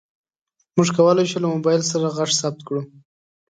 موږ کولی شو له موبایل سره غږ ثبت کړو.